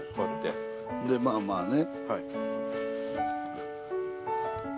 ほんでまあまあね。